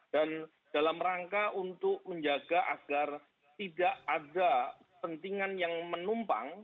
dan dalam rangka untuk menjaga agar tidak ada pentingan yang menumpang